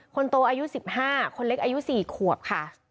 คนโตอายุ๑๕คนเล็กอายุ๔ขวบค่ะ